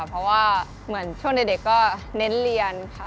เพราะว่าเหมือนช่วงเด็กก็เน้นเรียนค่ะ